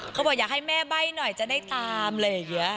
เขาบอกอยากให้แม่ใบ้หน่อยจะได้ตามอะไรอย่างนี้